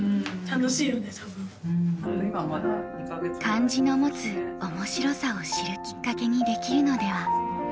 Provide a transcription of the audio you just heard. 漢字の持つ面白さを知るきっかけにできるのでは。